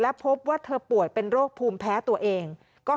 พบว่าเธอป่วยเป็นโรคภูมิแพ้ตัวเอง